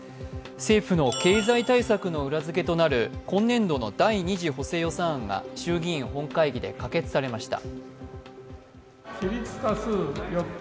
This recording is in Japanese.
政府の経済対策の裏付けとなる今年度の第２次の補正予算案が衆議院本会議で可決されました。